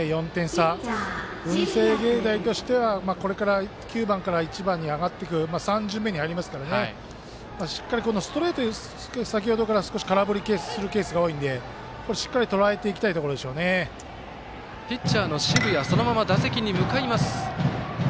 文星芸大としてはこれから９番から１番に上がっていく３巡目に入りますからしっかり、このストレート先ほどから少し空振りするケースが多いのでしっかりとらえていきたいピッチャーの澁谷そのまま打席に向かいます。